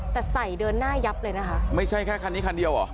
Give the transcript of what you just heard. แต่ใส่เดินหน้ายับเลยนะคะไม่ใช่แค่คันนี้คันเดียวเหรอ